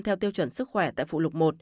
theo tiêu chuẩn sức khỏe tại phù lục một